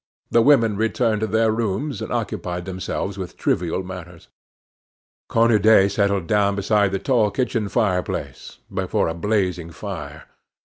The women returned to their rooms, and occupied themselves with trivial matters. Cornudet settled down beside the tall kitchen fireplace, before a blazing fire.